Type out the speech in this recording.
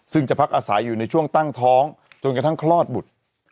ซึ่งจะพักอาศัยอยู่ในช่วงตั้งท้องจนกระทั่งคลอดบุตร